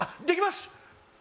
できます！